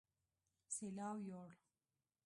سېلاو يوړ